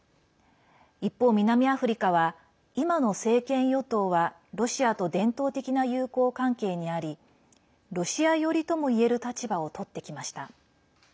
一方、南アフリカは今の政権与党はロシアと伝統的な友好関係にありロシア寄りともいえる立場をとってきました。